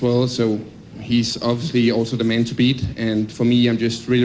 dan untuk saya saya sangat bangga dengan persembahan saya hari ini